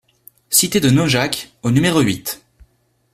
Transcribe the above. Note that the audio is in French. Cité de Naujac au numéro huit